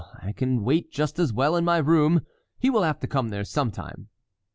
I can wait just as well in my room. He will have to come there sometime."